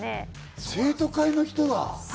生徒会の人だ。